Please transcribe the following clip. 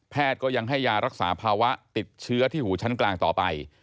ก็ยังให้ยารักษาภาวะติดเชื้อที่หูชั้นกลางต่อไป